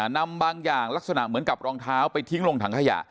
นำบางอย่างลักษณะเหมือนกับรองเท้าไปทิ้งลงถังขยะ